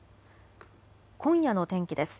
今夜の天気です。